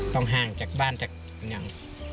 ต้องห่างจากบ้านจากกำหนัง